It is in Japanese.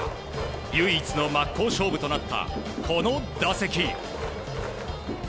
唯一の真っ向勝負となったこの打席。